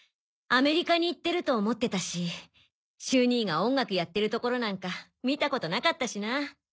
アメリカに行ってると思ってたし秀兄が音楽やってるところなんか見たことなかったしな。